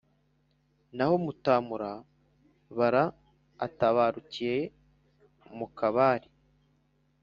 naho mutamura-bara atabarukiye mu kabare